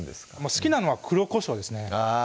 好きなのは黒こしょうですねあぁ